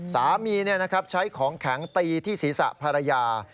สามีใช้ของแข็งตีที่ศีรษะภรรยา